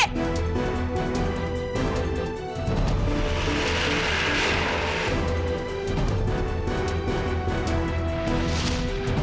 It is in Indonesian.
bagaimana kita dibenarkan para agung tua ini